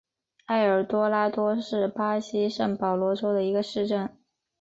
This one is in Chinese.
埃尔多拉多是巴西圣保罗州的一个市镇。